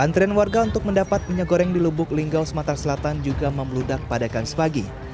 antrian warga untuk mendapat minyak goreng di lubuk linggaus mataselatan juga membeludak pada kamis pagi